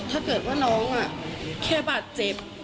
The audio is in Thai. ถ้าเกิดว่าน้องแค่บาดเจ็บ